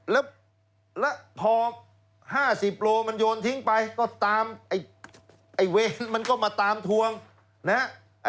แล้วแล้วพอห้าสิบโลมันโยนทิ้งไปก็ตามไอ้ไอ้เวนมันก็มาตามทวงนะฮะ